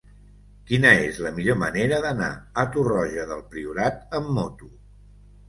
Quina és la millor manera d'anar a Torroja del Priorat amb moto?